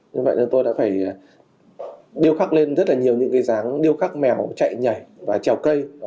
như vậy là tôi đã phải điêu khắc lên rất là nhiều những cái ráng điêu khắc mèo chạy nhảy và trèo cây